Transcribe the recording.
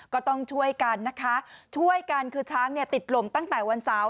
ก็ต้องช่วยกันนะคะช่วยกันคือช้างเนี่ยติดลมตั้งแต่วันเสาร์